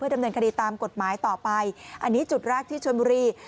ดำเนินคดีตามกฎหมายต่อไปอันนี้จุดแรกที่ชนบุรี